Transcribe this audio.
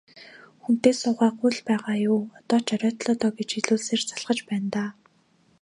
Хүнтэй суугаагүй л байгаа юу, одоо ч оройтлоо доо гэж хэлүүлсээр залхаж байна даа.